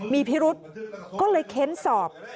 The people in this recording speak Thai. มีพิรุษก็เลยเค้นสอบ